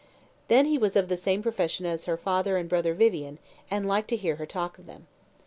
Then he was of the same profession as her father and brother Vivian, and liked to hear her talk of them.